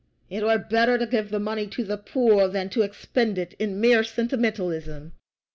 It were better to give the money to the poor than to expend it in mere sentimentalism."